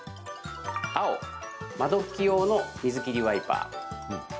青・窓拭き用の水切りワイパー。